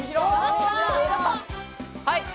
はい！